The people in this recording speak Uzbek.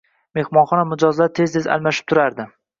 Mehmonxona mijozlari tez-tez almashib turardi